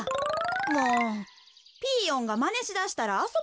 もうピーヨンがまねしだしたらあそばれへんやろ。